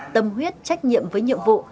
tâm huyết trách nhiệm với nhiệm vụ